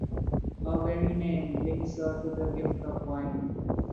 Her very name links her to the gift of wine.